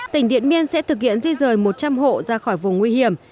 tỉnh điện biên sẽ thực hiện di rời một trăm linh hộ ra khỏi vùng nguy hiểm